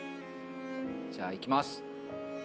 じゃあいきます。